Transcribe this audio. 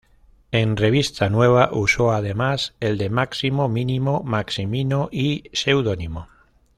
En "Revista Nueva" usó además el de "Máximo", "Mínimo", "Maximino" y "Pseudónimo".